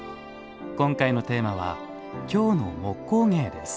今回のテーマは「京の木工芸」です。